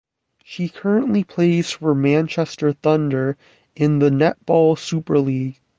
She currently plays for Manchester Thunder in the Netball Superleague.